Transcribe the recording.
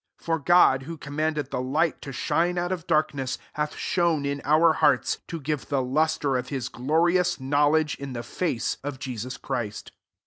6 For God, who commanded the light to shine out of dark ness, hath shone in our hearts, to ^ve the lustre of his glorious knowledge, in the face of Jesus Christ.